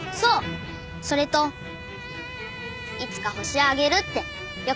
それといつか星をあげるってよく言ってた。